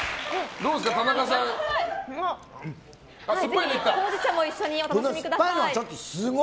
ほうじ茶も一緒にお楽しみください。